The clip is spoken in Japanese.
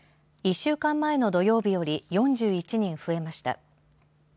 １週間前の土曜日より４１人増えました。